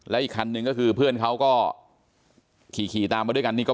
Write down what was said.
และอีกคันหนึ่งก็คือเพื่อนเขาก็ขี่ตามมาด้วยกันนี่ก็